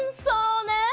そうね。